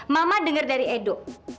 mama denger dari edo